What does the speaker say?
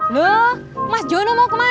loh mas jono mau kemana